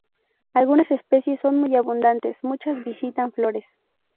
Algunas especies son muy abundantes; muchas visitan flores.